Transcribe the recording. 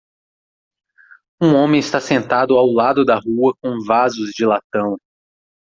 Um homem está sentado ao lado da rua com vasos de latão.